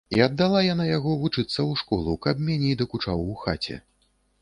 І аддала яна яго вучыцца ў школу, каб меней дакучаў у хаце.